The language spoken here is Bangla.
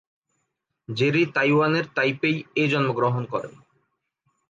জেরি তাইওয়ানের তাইপেই এ জন্মগ্রহণ করেন।